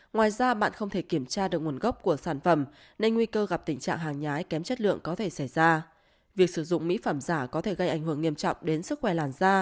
ngoài ra bạn không thể kiểm tra được nguồn gốc của sản phẩm nên nguy cơ gặp tình trạng hàng nhái kém chất lượng có thể xảy ra